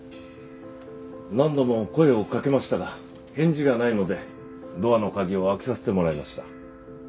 何度も声をかけましたが返事がないのでドアの鍵を開けさせてもらいました。